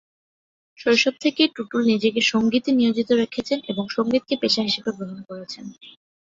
শৈশব থেকেই টুটুল নিজেকে সঙ্গীতে নিয়োজিত রেখেছেন এবং সঙ্গীতকে পেশা হিসেবে গ্রহণ করেছেন।